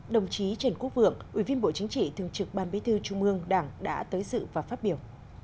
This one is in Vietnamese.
đồng chí trần quốc vượng ubnd thường trực ban bí thư trung ương đảng đã tới sự và phát biểu